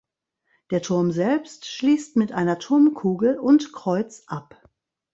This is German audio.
Der Turm selbst schließt mit einer Turmkugel und Kreuz ab.